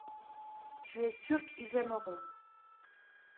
Tu es sûr qu’ils aimeront.